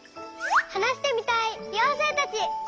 はなしてみたいようせいたち！